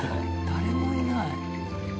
誰もいない。